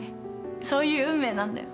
そういう運命なんだよ。